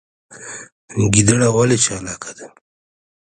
ګیدړه ولې چالاکه ده؟